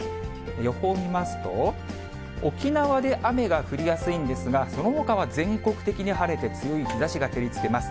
予報を見ますと、沖縄で雨が降りやすいんですが、そのほかは全国的に晴れて強い日ざしが照りつけます。